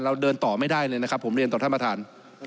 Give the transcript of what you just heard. เราเดินต่อไม่ได้เลยนะครับผมเรียนต่อท่านประธาน